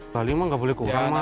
tali emang nggak boleh ke orang mah